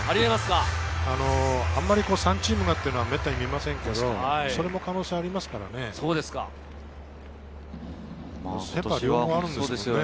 あまり３チームがっていうのは、めったに見ませんけど、それも可能性がありますよね。